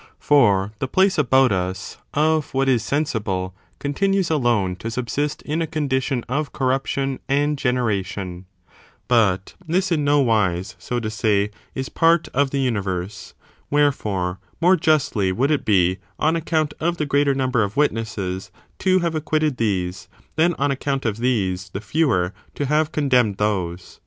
^ For the place about us, of what is sensible, continues alone to subsist in a condition of corruption and generation ; but this in no wise, so to say, is part of the universe : wherefore, more justly would it be, on account of the greater number of wit nesses, to have acquitted these, than on account of these, the fewer, to have condemned those.